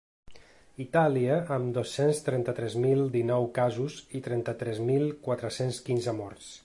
Itàlia, amb dos-cents trenta-tres mil dinou casos i trenta-tres mil quatre-cents quinze morts.